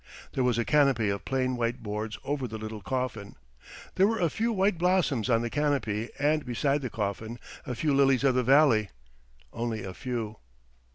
There was a canopy of plain white boards over the little coffin. There were a few white blossoms on the canopy and beside the coffin a few lilies of the valley only a few.